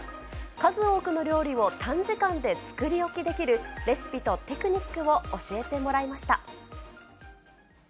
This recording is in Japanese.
数多くの料理を短時間で作り置きできる、レシピとテクニックを教えてもらいました。